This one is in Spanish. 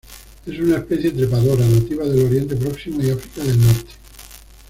Es una especie trepadora, nativa del Oriente Próximo y África del Norte.